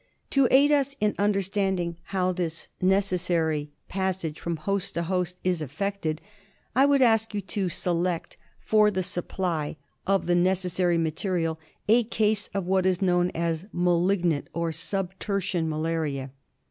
To aid us in under standing how this neces MALARIA. '8^ sary pass^e from host to host is effected I would ask you to select for the supply of the necessary material a case of what is known as malignant or sub tertian malaria.